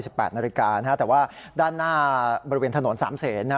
แปดนาฬิกานะฮะแต่ว่าด้านหน้าบริเวณถนนสามเศษนะฮะ